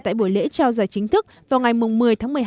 tại buổi lễ trao giải chính thức vào ngày một mươi tháng một mươi hai